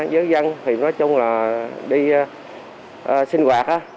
giới dân thì mới mở cửa